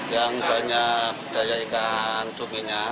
yang banyak daya ikan cuminya